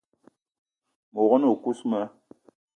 Me wog-na o kousma: